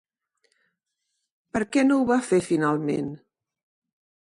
Per què no ho va fer finalment?